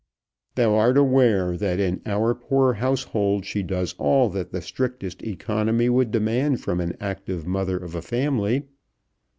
"Thou art aware that in our poor household she does all that the strictest economy would demand from an active mother of a family?